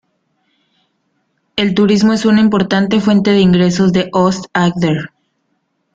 El turismo es una importante fuente de ingresos de Aust-Agder.